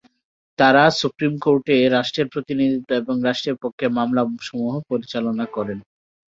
তারা সুপ্রিম কোর্টে রাষ্ট্রের প্রতিনিধিত্ব এবং রাষ্ট্রের পক্ষে মামলাসমূহ পরিচালনা করেন।